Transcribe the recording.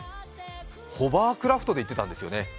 ホバークラフトで行っていたんですよね。